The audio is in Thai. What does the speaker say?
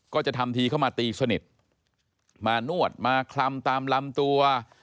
ก็จะทำทีเข้ามาตีสนิทมานวดมาคลำตามลำตัว